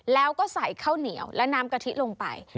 แล้วก็ใส่ข้าวเหนียวและน้ำกะทิลงไป